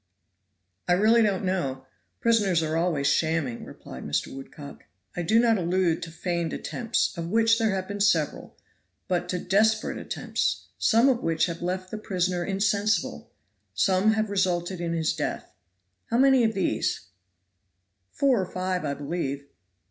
"I really don't know. Prisoners are always shamming," replied Mr. Woodcock. "I do not allude to feigned attempts, of which there have been several, but to desperate attempts; some of which have left the prisoner insensible, some have resulted in his death how many of these?" "Four or five, I believe."